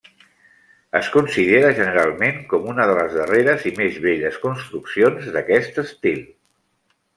Es considera generalment com una de les darreres i més belles construccions d'aquest estil.